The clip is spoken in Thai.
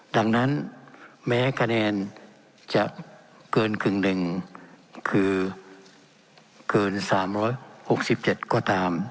ดังนั้นแม้คะแนนจะเกินกึ่งหนึ่งคือเกิน๓๖๗ก็ตาม